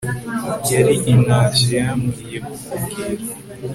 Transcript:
yari intashyo yambwiye kukubwira